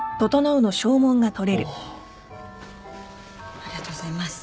ありがとうございます。